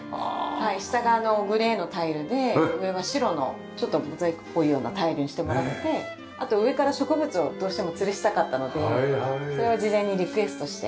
下がグレーのタイルで上は白のちょっとモザイクっぽいようなタイルにしてもらってあと上から植物をどうしてもつるしたかったのでそれは事前にリクエストして。